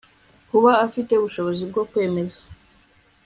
kuba afite ubushobozi bwo kwemeza